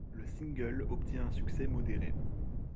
Le single obtient un succès modéré.